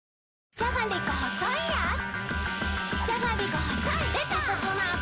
じゃがりこ細いやつ